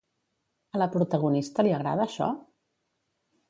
A la protagonista li agrada això?